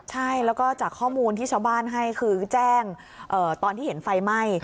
ใช่แล้วก็จากข้อมูลที่ชาวบ้านให้คือแจ้งตอนที่เห็นไฟไหม้